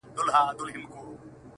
• څو كسان وه په كوڅه كي يې دعوه وه ,